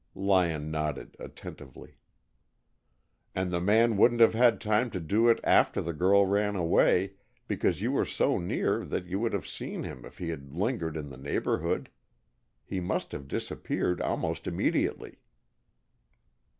Lyon nodded attentively. "And the man wouldn't have had time to do it after the girl ran away, because you were so near that you would have seen him if he had lingered in the neighborhood. He must have disappeared almost immediately."